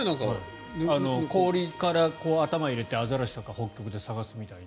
氷から頭を入れてアザラシとか北極で探すみたいに。